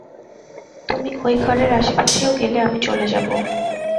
তুমি ঐ ঘরের আসে পাশেও গেলে আমি চলে যাব।